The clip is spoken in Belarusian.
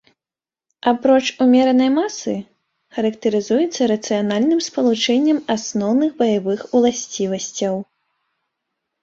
Апроч умеранай масы, характарызуецца рацыянальным спалучэннем асноўных баявых уласцівасцяў.